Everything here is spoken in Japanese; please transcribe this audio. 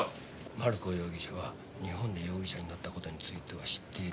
「マルコ容疑者は日本で容疑者になった事については知っている」